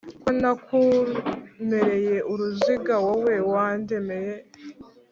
Ko nakumereye uruziga, wowe wandemeye